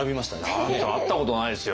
だって会ったことないですよ